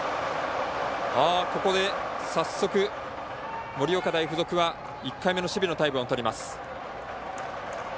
ここで早速、盛岡大付属は１回目の守備のタイムをとります。